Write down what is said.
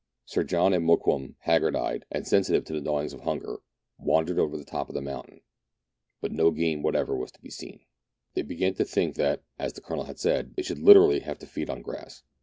Sir John and Mokoum, haggard eyed, and sensitive to the gnawings of igG MERIDIANA; THE ADVENTURES OF hunger, wandered over the top of the mountain ; but no game whatever was to be seen. They began to think that, as the Colonel had said, they should literally have to feed on grass.